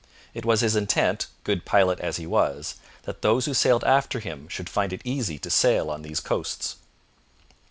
It was his intent, good pilot as he was, that those who sailed after him should find it easy to sail on these coasts.